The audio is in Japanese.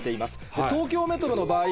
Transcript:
東京メトロの場合